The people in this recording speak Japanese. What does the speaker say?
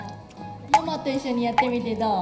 ママと一緒にやってみてどう？